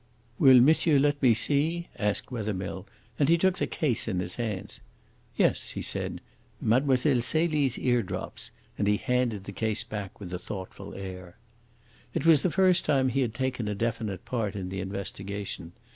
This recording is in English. "Will monsieur let me see?" asked Wethermill, and he took the case in his hands. "Yes," he said. "Mlle. Celie's ear drops," and he handed the case back with a thoughtful air. It was the first time he had taken a definite part in the investigation.